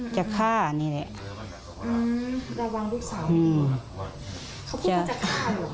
จะฆ่านี่แหละอือระวังลูกสาว